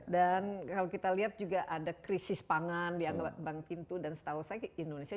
dan kalau kita lihat juga ada krisis pangan di bankintu dan setahu saya indonesia